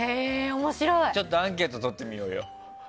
ちょっとアンケートとってみようよ。